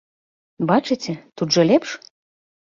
Бачыце, тут жа лепш?